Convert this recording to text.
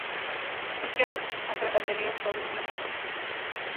ფიცჯერალდს ასევე დაწერილი აქვს ბევრი მოკლე მოთხრობა.